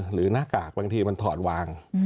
หน้ากากบางทีมันถอดวาง